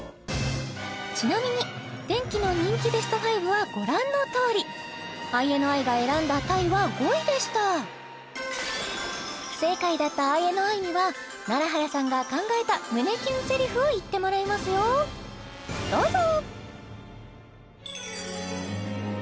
ちなみにテンキの人気ＢＥＳＴ５はご覧のとおりＩＮＩが選んだ鯛は５位でした不正解だったＩＮＩには楢原さんが考えた胸キュンセリフを言ってもらいますよどうぞ！